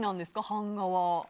版画は。